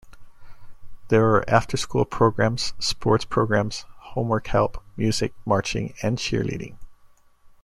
There are after school programs, sports programs, homework help, music, marching and cheer leading.